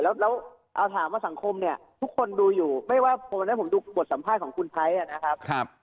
แล้วเอาถามว่าสังคมเนี่ยทุกคนดูอยู่ไม่ว่าวันนั้นผมดูบทสัมภาษณ์ของคุณไทยนะครับ